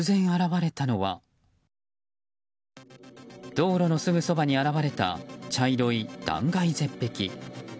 道路のすぐそばに現れた茶色い断崖絶壁。